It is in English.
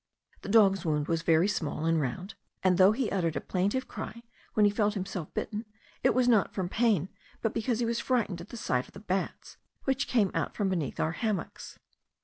The dog's wound was very small and round; and though he uttered a plaintive cry when he felt himself bitten, it was not from pain, but because he was frightened at the sight of the bats, which came out from beneath our hammocks.